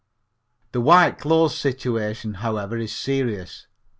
The white clothes situation, however, is serious.